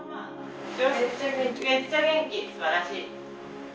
めっちゃ元気すばらしい。